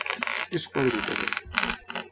És quadrúpede.